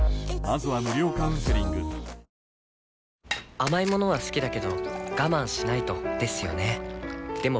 甘い物は好きだけど我慢しないとですよね